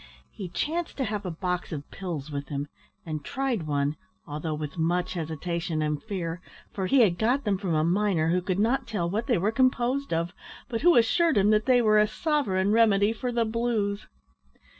He chanced to have a box of pills with him, and tried one, although with much hesitation and fear, for he had got them from a miner who could not tell what they were composed of, but who assured him they were a sovereign remedy for the blues!